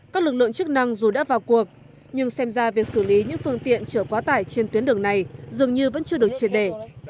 các lực lượng chức năng dù đã vào cuộc nhưng xem ra việc xử lý những phương tiện chở quá tải trên tuyến đường này dường như vẫn chưa được triệt để